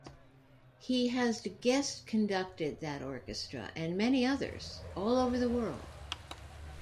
He has guest-conducted that orchestra, and many others, all over the world.